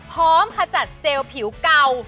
พร้อมคจัดเซลล์ผิวเก่า